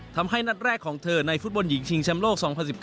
นัดแรกของเธอในฟุตบอลหญิงชิงแชมป์โลก๒๐๑๙